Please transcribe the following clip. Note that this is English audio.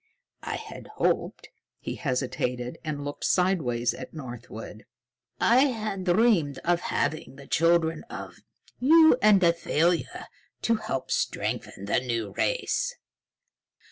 I had hoped," he hesitated and looked sideways at Northwood, "I had dreamed of having the children of you and Athalia to help strengthen the New Race."